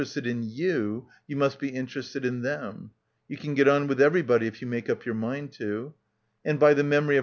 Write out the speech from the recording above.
ested in you, you must be interested in them"; "you can get on with everybody if you make up your mind to" — arid by the memory of